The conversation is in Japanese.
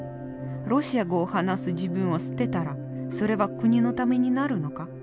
ロシア語を話す自分を捨てたらそれは国のためになるのか？